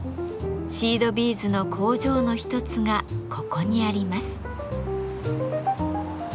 シードビーズの工場の一つがここにあります。